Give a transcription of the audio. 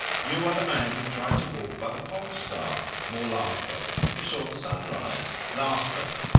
"You are the man who tried to walk by the Pole Star." More laughter. "You saw the sunrise." Laughter.